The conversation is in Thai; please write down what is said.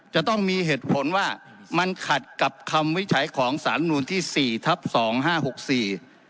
จะต้องมีเหตุผลว่ามันขัดกับคำวิจัยของสารนูลที่สี่ทับสองห้าหกสี่